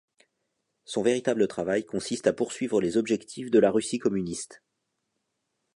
Son véritable travail consiste à poursuivre les objectifs de la Russie communiste.